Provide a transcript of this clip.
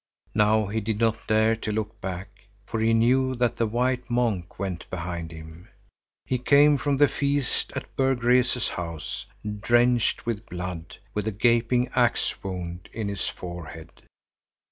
Now he did not dare to look back, for he knew that the white monk went behind him. He came from the feast at Berg Rese's house, drenched with blood, with a gaping axe wound in his forehead.